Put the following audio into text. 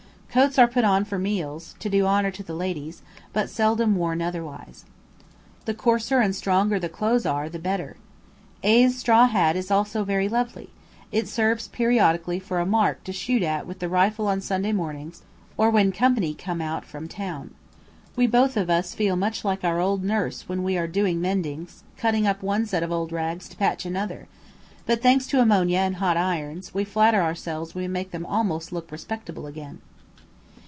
Coats are put on for meals, to do honour to the ladies, but seldom worn otherwise. The coarser and stronger the clothes are the better. A 's straw hat is also very lovely, it serves periodically for a mark to shoot at with the rifle on Sunday mornings, or when company come out from town. We both of us feel much like our old nurse when we are doing our mendings, cutting up one set of old rags to patch another; but thanks to ammonia and hot irons, we flatter ourselves we make them almost look respectable again.